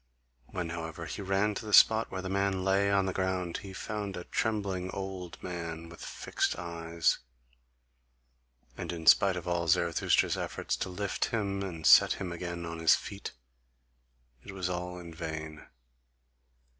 When, however, he ran to the spot where the man lay on the ground, he found a trembling old man, with fixed eyes; and in spite of all Zarathustra's efforts to lift him and set him again on his feet, it was all in vain.